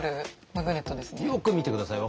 よく見て下さい。